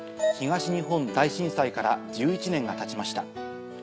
東日本大震災から１１年がたちました。